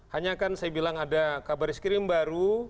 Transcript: hanya kan saya bilang ada kabar eskrim baru